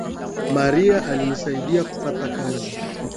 Maria alinisaidia kupata kazi